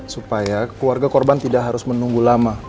supaya keluarga korban tidak harus menunggu lama